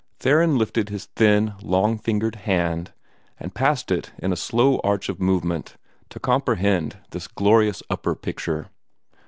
Theron lifted his thin, long fingered hand, and passed it in a slow arch of movement to comprehend this glorious upper picture.